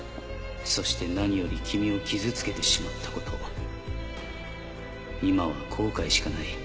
「そして何より君を傷つけてしまったこと今は後悔しかない」